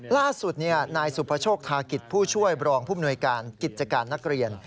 ล่าสุดนายสุภโชคธากิจผู้ช่วยบรองผู้มนวยการกิจการนักเรียน